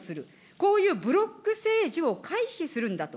こういうブロック政治を回避するんだと。